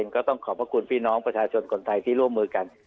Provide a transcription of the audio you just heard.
ก็ต้องขอบพระคุณพี่น้องประชาชนคนไทยที่ร่วมมือกัน